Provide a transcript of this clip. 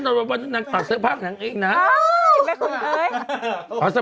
เพราะสมัยก่อนไม่เคยมีผมอย่างนี้ใช่ไหมล่ะ